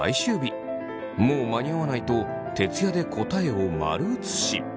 もう間に合わないと徹夜で答えを丸写し。